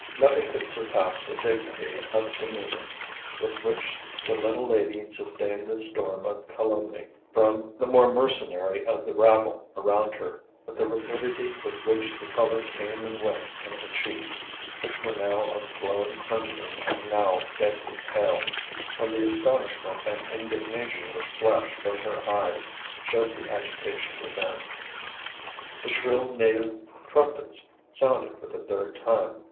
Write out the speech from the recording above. Nothing could surpass the dignity of demeanor with which the little lady sustained the storm of calumny from the more mercenary of the rabble around her; but the rapidity with which the color came and went in her cheeks, which were now of glowing crimson and now deadly pale, and the astonishment and indignation which flashed from her eyes, showed the agitation within. The shrill native trumpets sounded for the third time.